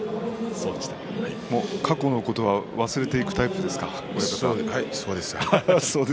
過去のことを忘れていくタイプですか、親方は。